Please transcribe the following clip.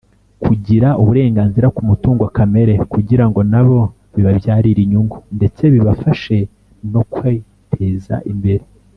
Kugira Uburenganzira ku mutungo kamere kugira ngo nabo bibabyarire inyungu ndetse bibafashe no kwiteza imbere.